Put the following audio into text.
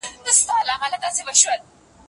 هغه څوک چي شکاک وي د هماغي خبري ریښتیا معلوموي.